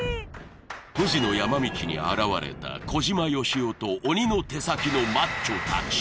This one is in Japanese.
富士の山道に現れた小島よしおと鬼の手先のマッチョたち